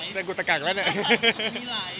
จะกุดตะกลักแหละนี่